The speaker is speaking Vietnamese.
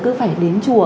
cứ phải đến chùa